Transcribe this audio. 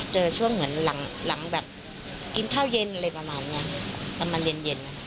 เจอช่วงเหมือนหลังหลังแบบกินข้าวเย็นอะไรประมาณเนี้ยประมาณเย็นเย็น